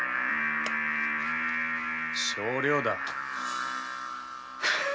少量だ。